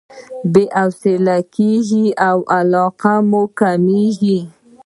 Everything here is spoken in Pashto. بې حوصلې کېږو او علاقه مو کميږي.